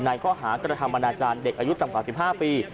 นายเขาหากระทำอนาจารย์เด็กอายุตัว๓๕ปี